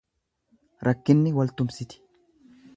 Rakkinni wal tumsiti.